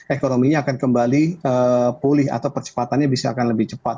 ekonominya akan kembali pulih atau percepatannya bisa akan lebih cepat